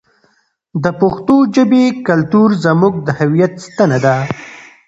د پښتو ژبې کلتور زموږ د هویت ستنه ده.